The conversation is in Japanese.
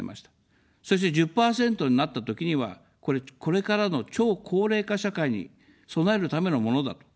そして１０％になったときには、これ、これからの超高齢化社会に備えるためのものだと。